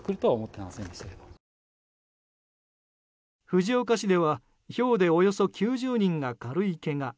藤岡市では、ひょうでおよそ９０人が軽いけが。